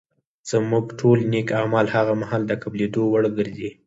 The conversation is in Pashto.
زموږ ټول نېک اعمال هغه مهال د قبلېدو وړ ګرځي